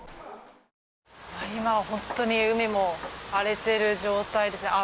今は本当に海も荒れている状態ですね。